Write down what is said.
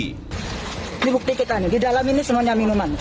ini bukti kita nih di dalam ini semuanya minuman